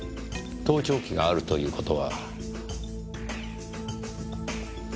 盗聴器があるという事は。